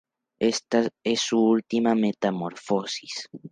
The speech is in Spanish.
Ésta es su última metamorfosis.